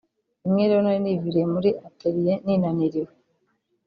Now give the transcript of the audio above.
Rimwe rero nari niviriye muri atelier ninaniriwe